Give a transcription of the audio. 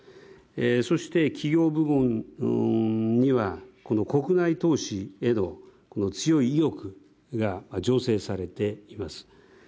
そして、企業部門には国外投資への強い意欲が醸成されてきます。